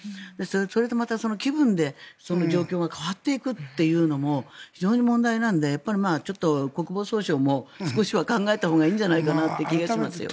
それと、気分で状況が変わっていくというのも非常に問題なので国防総省も少しは考えたほうがいいんじゃないかなという気がしますよ。